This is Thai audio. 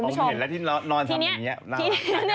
ผมเห็นแล้วที่นอนทำแบบนี้